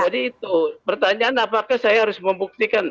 jadi itu pertanyaan apakah saya harus membuktikan